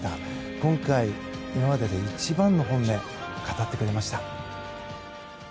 今回、今までで一番の本音を語ってくれました。